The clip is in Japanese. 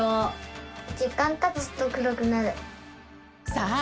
さあ